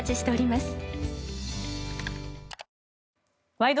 「ワイド！